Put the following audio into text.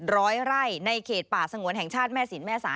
ร้อยไร่ในเขตป่าสงวนแห่งชาติแม่สินแม่สา